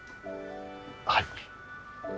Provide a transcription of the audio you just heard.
はい。